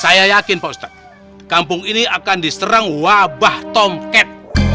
saya yakin pak ustadz kampung ini akan diserang wabah tongket